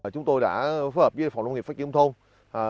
chúng tôi đã phối hợp với phòng nông nghiệp phát triển nông thôn